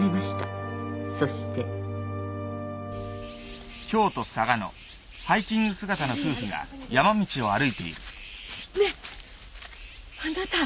［そして］ねえあなた！